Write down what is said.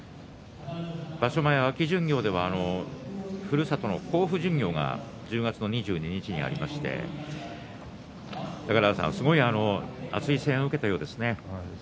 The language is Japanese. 場所前の秋巡業ではふるさとの甲府巡業が１０月の２２日にありまして熱い声援を受けたようですね。